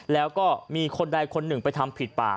แล้วก็มีคนใดคนหนึ่งไปทำผิดป่า